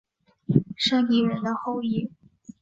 山地人的后裔。